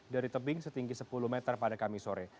dari tebing setinggi sepuluh meter pada kamis sore